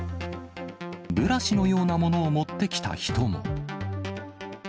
ブラシのようなものを持ってきた人も。